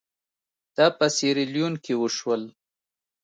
دا په سیریلیون کې وشول.